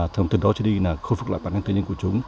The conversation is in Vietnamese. thông tin đó cho đi là khôi phức lại bản thân tư nhân của chúng